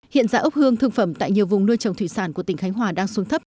hiện giá ốc hương thương phẩm tại nhiều vùng nuôi trồng thủy sản của tỉnh khánh hòa đang xuống thấp